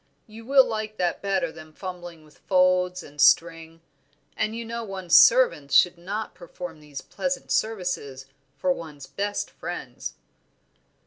You will like that better than fumbling with folds and string; and you know one's servants should not perform these pleasant services for one's best friends."